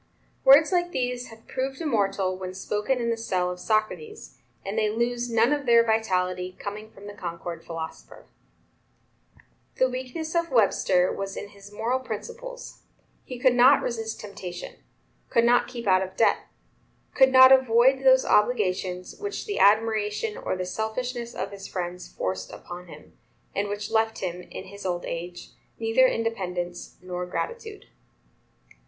Words like these have proved immortal when spoken in the cell of Socrates, and they lose none of their vitality, coming from the Concord philosopher. The weakness of Webster was in his moral principles; he could not resist temptation; could not keep out of debt; could not avoid those obligations which the admiration or the selfishness of his friends forced upon him, and which left him, in his old age, neither independence nor gratitude.